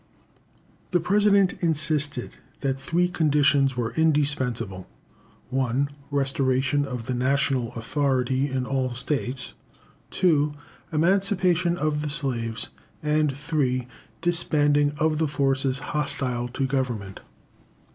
The President insisted that three conditions were indispensable 1. Restoration of the national authority in all the states; 2. Emancipation of the slaves; and 3. Disbanding of the forces hostile to Government.